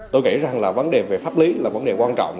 tôi nghĩ rằng là vấn đề về pháp lý là vấn đề quan trọng